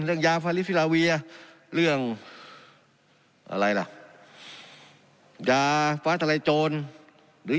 เรื่องยาฟาลิฟิราวีอ่ะเรื่องอะไรล่ะยาฟ้าทลายโจนหรือ